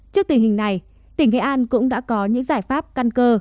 trước tình hình này tỉnh nghệ an cũng đã có những giải pháp căn cơ